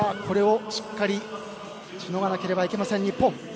これをしっかりしのがなければいけない日本。